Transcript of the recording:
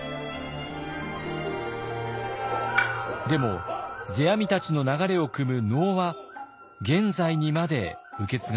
でも世阿弥たちの流れをくむ能は現在にまで受け継がれています。